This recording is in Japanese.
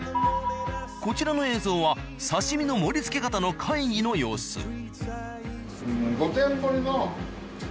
こちらの映像は刺身の盛り付け方の会議の様子。